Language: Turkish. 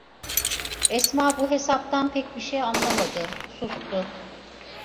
Esma bu hesaptan pek bir şey anlamadı, sustu.